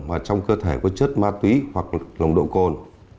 và trong cơ thể có chất ma túy hoặc lồng độ cồn